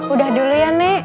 udah dulu ya nek